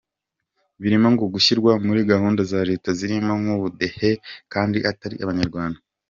Birimo ngo gushyirwa muri gahunda za leta zirimo nk'ubudehe kandi atari Abanyarwanda.